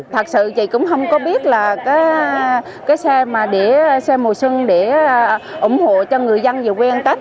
thật sự chị cũng không có biết là cái xe mà để xe mùa xuân để ủng hộ cho người dân về quê ăn tết